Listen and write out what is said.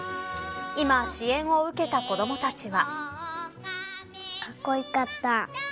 今、支援を受けた子どもたちは。